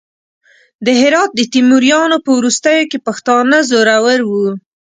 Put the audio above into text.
د هرات د تیموریانو په وروستیو کې پښتانه زورور وو.